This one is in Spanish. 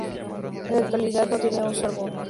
En la actualidad no tiene uso alguno.